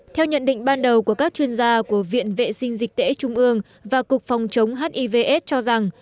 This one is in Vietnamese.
theo nhận định ban đầu của các chuyên gia của viện vệ sinh dịch tễ trung ương và cục phòng chống hiv aids cho rằng